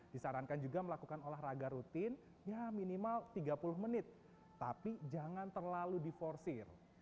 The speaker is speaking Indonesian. disarankan juga melakukan olahraga rutin ya minimal tiga puluh menit tapi jangan terlalu diforsir